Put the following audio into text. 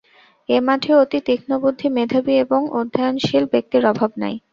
এ মঠে অতি তীক্ষ্ণবুদ্ধি, মেধাবী এবং অধ্যবসায়শীল ব্যক্তির অভাব নাই।